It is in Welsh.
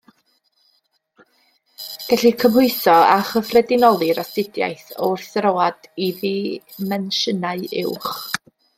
Gellir cymhwyso a chyffredinoli'r astudiaeth o wrthdroad i ddimensiynau uwch.